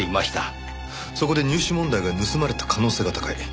そこで入試問題が盗まれた可能性が高い。